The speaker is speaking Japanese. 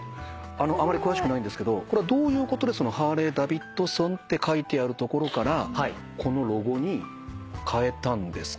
あまり詳しくないんですけどこれはどういうことで「ＨＡＲＬＥＹ−ＤＡＶＩＤＳＯＮ」って書いてあるところからこのロゴにかえたんですか？